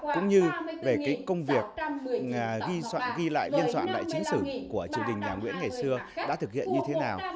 cũng như về công việc ghi lại biên soạn lại chính xử của triều nguyễn ngày xưa đã thực hiện như thế nào